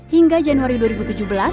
hingga januari ini